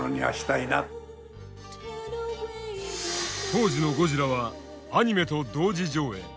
当時のゴジラはアニメと同時上映。